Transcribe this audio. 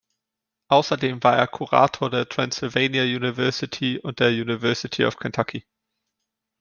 Außerdem war er Kurator der Transylvania University und der University of Kentucky.